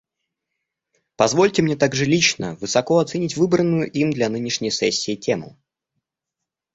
Позвольте мне также лично высоко оценить выбранную им для нынешней сессии тему.